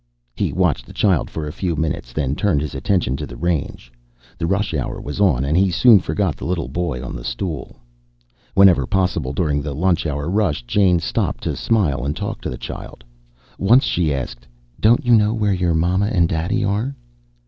He watched the child for a few minutes, then turned his attention to the range. The rush hour was on and he soon forgot the little boy on the stool ... Whenever possible during the lunch hour rush, Jane stopped to smile and talk to the child. Once she asked, "Don't you know where your mama and daddy are?"